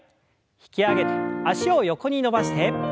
引き上げて脚を横に伸ばして。